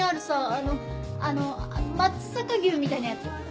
あのあの松阪牛みたいなやつ松阪！